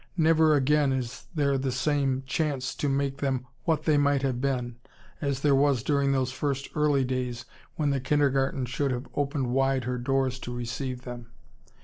Never again is there the same chance to make them what they might have been, as there was during those first early days when the kindergarten should have opened wide her doors to receive them.